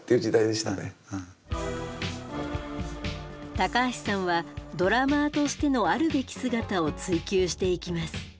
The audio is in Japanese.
高橋さんはドラマーとしてのあるべき姿を追求していきます。